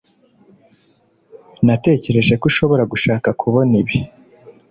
natekereje ko ushobora gushaka kubona ibi